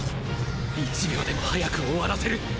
１秒でも早く終わらせる。